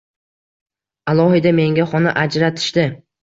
Alohida menga xona ajratishdi.